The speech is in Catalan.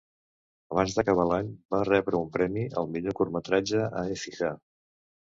Abans d'acabar l'any, va rebre un premi al millor curtmetratge a Écija.